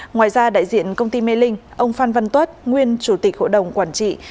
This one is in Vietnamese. ngoài ra đại diện công ty mê linh ông phan văn tuất nguyên chủ tịch hội đồng quản trị